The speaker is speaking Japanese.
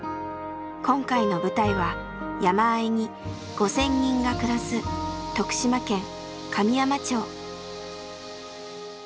今回の舞台は山あいに５，０００人が暮らす徳島県神山町。